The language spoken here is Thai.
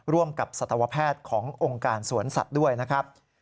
ร่วมกับสัตวแพทย์ขององค์การสวนสัตว์ด้วยนะครับ